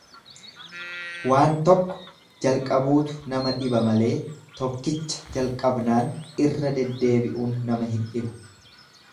Waan tokko jalqabuutu nama dhiba malee tokkicha jalqabnaan irra deddeebi'uun nama hin dhibu.